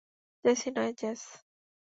Jassy নয়, jazz.